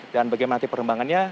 dan bagaimana nanti perkembangannya